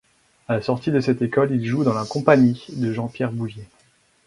À la sortie de cette école, il joue dans la compagnie de Jean-Pierre Bouvier.